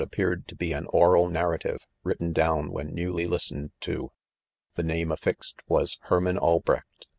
appeared to be an oral narrative, : written down' when newly listened to | the name affixed was Herman; Albrecht.